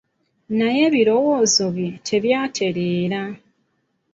Naye ebirowoozo bye tebyatereera.